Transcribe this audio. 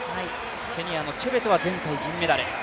ケニアのチェベトは前回銀メダル。